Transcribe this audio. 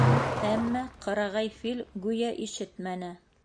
Әммә ҡырағай фил гүйә ишетмәне.